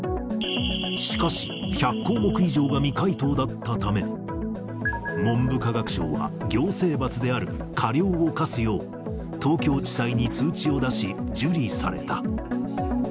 しかし、１００項目以上が未回答だったため、文部科学省は行政罰である過料を科すよう、東京地裁に通知を出し、受理された。